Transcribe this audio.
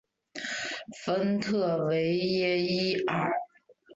丰特维耶伊尔。